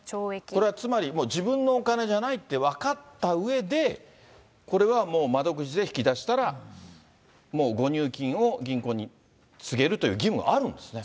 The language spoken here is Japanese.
これはつまり、自分のお金じゃないと分かったうえで、これはもう窓口で引き出したら、もう誤入金を銀行に告げるという義務あるんですね。